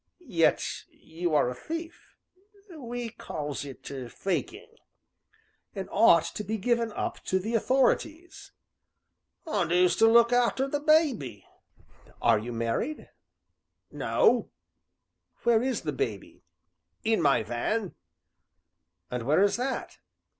"Yet you are a thief!" "We calls it 'faking.'" "And ought to be given up to the authorities." "And who's to look arter the babby?" "Are you married?" "No," "Where is the baby?" "In my van." "And where is that?"